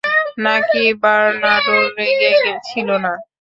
নাকি বার্নার্ডো রেগে ছিল না?